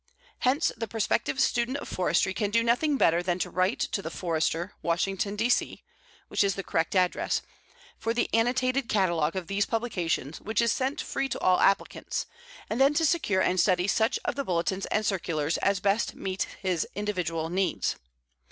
Hence, the prospective student of forestry can do nothing better than to write to The Forester, Washington, D. C. (which is the correct address), for the annotated catalogue of these publications which is sent free to all applicants, and then to secure and study such of the bulletins and circulars as best meet his individual needs.